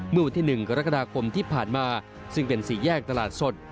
เมื่อวันที่๑กรกฎาคมที่ผ่านมาซึ่งเป็นสี่แยกตลาดสด